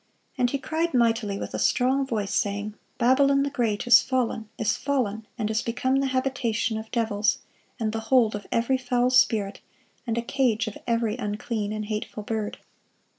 And he cried mightily with a strong voice, saying, Babylon the great is fallen, is fallen, and is become the habitation of devils, and the hold of every foul spirit, and a cage of every unclean and hateful bird."